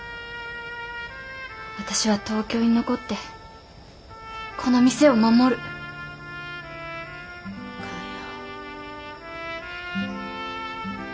私は東京に残ってこの店を守る。かよ。